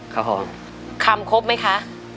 คำคบไหมคะ